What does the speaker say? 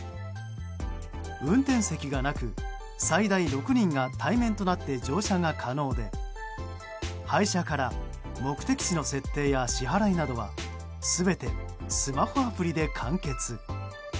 運転席がなく、最大６人が対面となって乗車が可能で配車から目的地の設定や支払いなどは全てスマホアプリで完結。